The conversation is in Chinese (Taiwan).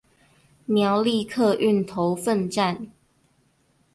苗栗客運頭份站